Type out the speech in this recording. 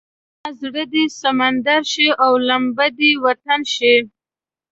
زما زړه دې سمندر شي او لمبه دې وطن شي.